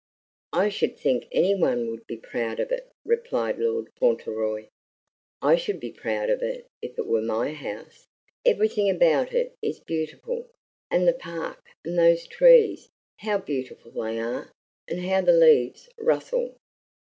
"I should think any one would be proud of it," replied Lord Fauntleroy. "I should be proud of it if it were my house. Everything about it is beautiful. And the park, and those trees, how beautiful they are, and how the leaves rustle!"